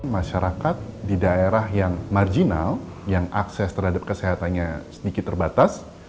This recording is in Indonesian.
masyarakat di daerah yang marginal yang akses terhadap kesehatannya sedikit terbatas